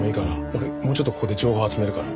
俺もうちょっとここで情報集めるから。